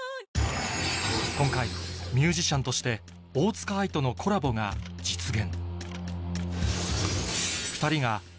今回ミュージシャンとして大塚愛とのコラボが実現